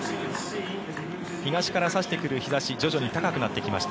東から差してくる日差しが徐々に高くなってきました。